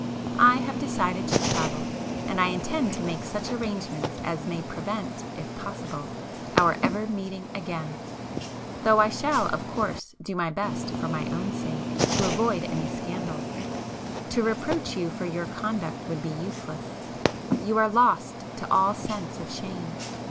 I have decided to travel,—and I intend to make such arrangements as may prevent, if possible, our ever meeting again,—though I shall of course do my best for my own sake, to avoid any [p 383] scandal. To reproach you for your conduct would be useless; you are lost to all sense of shame.